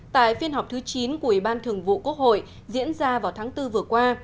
tại phiên họp thứ chín của ủy ban thường vụ quốc hội diễn ra vào tháng bốn vừa qua